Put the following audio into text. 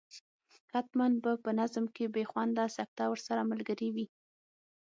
حتما به په نظم کې بې خونده سکته ورسره ملګرې وي.